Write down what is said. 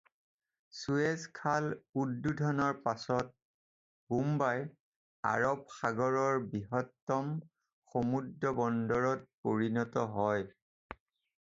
চুৱেজ খাল উদ্বোধনৰ পাছত বোম্বাই আৰব সাগৰৰ বৃহত্তম সমুদ্ৰবন্দৰত পৰিণত হয়।